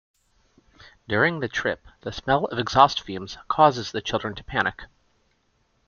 During the trip, the smell of exhaust fumes causes the children to panic.